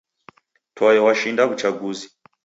Toe washinda w'uchaguzi.